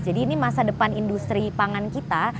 jadi ini masa depan industri pangan kita